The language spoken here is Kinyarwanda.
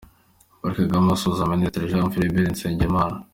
Paul Kagame asuhuza Minisitiri Jean Philbert Nsengimana.